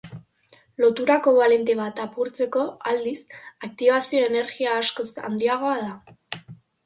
Lotura kobalente bat apurtzeko, aldiz, aktibazio-energia askoz handiagoa da.